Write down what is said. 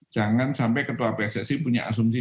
jangan sampai ketua pssi punya asumsi